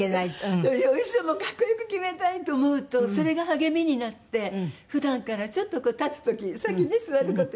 お衣装も格好良く決めたいと思うとそれが励みになって普段からちょっとこう立つ時さっきね座る事言って。